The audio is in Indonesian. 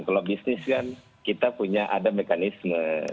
kalau bisnis kan kita punya ada mekanisme